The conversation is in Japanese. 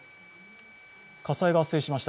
火災が発生しました。